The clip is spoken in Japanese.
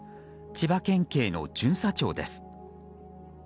千葉県警の巡査長です。